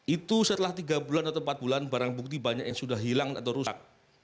itu setelah tiga bulan atau empat bulan barang bukti banyak yang sudah hilang atau rusak